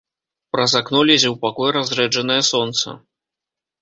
Праз акно лезе ў пакой разрэджанае сонца.